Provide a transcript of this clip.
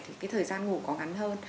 thì cái thời gian ngủ có ngắn hơn